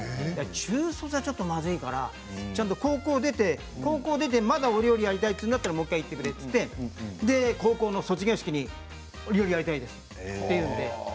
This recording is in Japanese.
中卒はちょっとまずいからちゃんと高校を出て高校出てまた料理をやりたいというんだったらもう１回言ってくれと高校の卒業式にお料理やりたいですと言って。